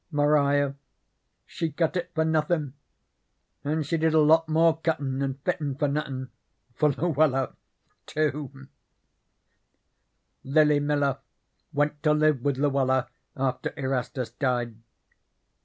Maria she cut it for nothin', and she did a lot more cuttin' and fittin' for nothin' for Luella, too. Lily Miller went to live with Luella after Erastus died.